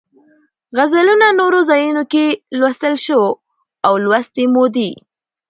غزلونه نورو ځایونو کې لوستلی شو او لوستې مو دي.